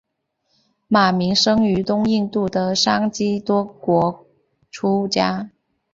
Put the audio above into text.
马鸣生于东印度的桑岐多国出家。